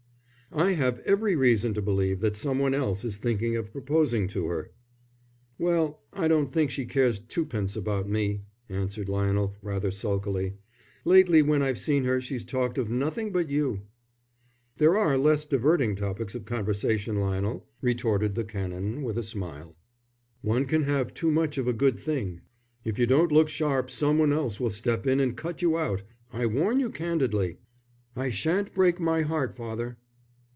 "I have every reason to believe that some one else is thinking of proposing to her." "Well, I don't think she cares twopence about me," answered Lionel, rather sulkily. "Lately when I've seen her she's talked of nothing but you." "There are less diverting topics of conversation, Lionel," retorted the Canon, with a smile. "One can have too much of a good thing." "If you don't look sharp some one else will step in and cut you out. I warn you candidly." "I shan't break my heart, father."